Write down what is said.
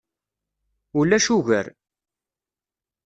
Ulac ugar.